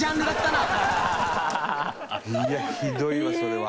いやひどいわそれは。